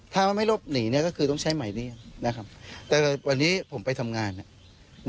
ถ้าไม่รบหนีก็คือต้องใช้หมายเรียกนะครับแต่วันนี้ผมไปทำงาน